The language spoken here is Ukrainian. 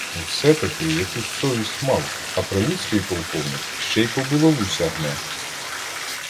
Все-таки якусь совість мав, а прилуцький полковник ще й по булаву сягне.